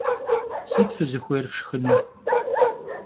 Sıt fızıxuêyr fşşxınu?